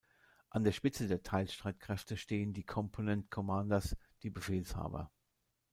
An der Spitze der Teilstreitkräfte stehen die "Component Commanders", die "Befehlshaber".